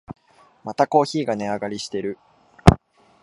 またコーヒーが値上がりしてる